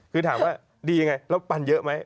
คือถามว่าดียังไงแล้วปันเยอะไหม